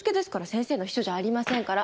先生の秘書じゃありませんから。